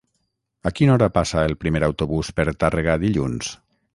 A quina hora passa el primer autobús per Tàrrega dilluns?